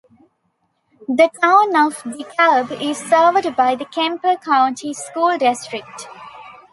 The Town of De Kalb is served by the Kemper County School District.